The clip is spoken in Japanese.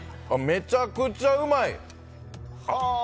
めちゃくちゃうまい！